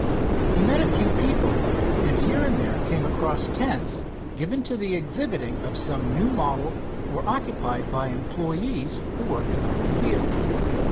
He met a few people and here and there came across tents given to the exhibiting of some new model, or occupied by employees who worked about the field.